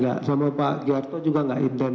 nggak sama pak gerto juga nggak intent